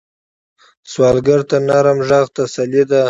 سوالګر ته نرم غږ تسلي ده